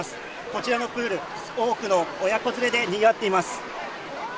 こちらのプール、多くの親子連れでにぎわっています。